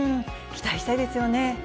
期待したいですよね。